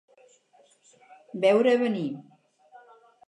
Veure a venir.